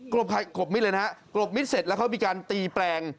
กรบมิดเลยนะฮะกรบมิตรเสร็จแล้วเขามีการตีแปลง